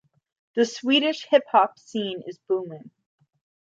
The Swedish hip hop scene is booming.